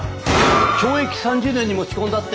懲役３０年に持ち込んだって！？